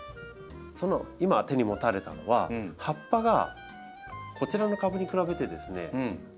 今手に持たれたのは葉っぱがこちらの株に比べてですね少ない。